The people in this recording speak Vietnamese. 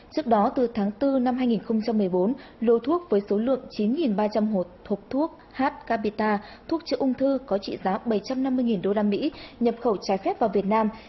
trước đó từ tháng bốn năm hai nghìn một mươi bốn lô thuốc với số lượng chín ba trăm linh hộp thuốc h capita thuốc chữa ung thư có trị giá bảy trăm năm mươi usd nhập khẩu trái phép vào việt nam